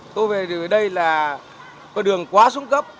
tôi về đây là đường quá xuống cấp